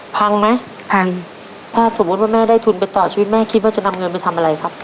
พังไหมพังถ้าสมมุติว่าแม่ได้ทุนไปต่อชีวิตแม่คิดว่าจะนำเงินไปทำอะไรครับ